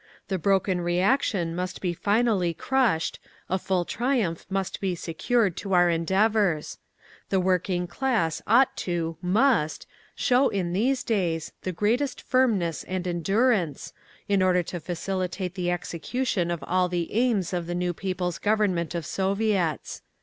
The broken reaction must be finally crushed, a full triumph must be secured to our endeavours. The working class ought to—must—show in these days THE GREATEST FIRMNESS AND ENDURANCE, in order to facilitate the execution of all the aims of the new People's Government of Soviets.